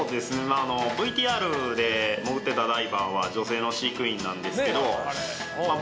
まああのＶＴＲで潜ってたダイバーは女性の飼育員なんですけどまあ